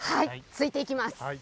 ついていきます。